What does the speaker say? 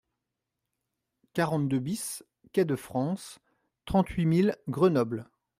quarante-deux BIS quai de France, trente-huit mille Grenoble